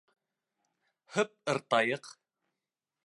— Һып-ыртайыҡ...